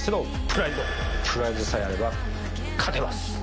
プライドさえあれば勝てます。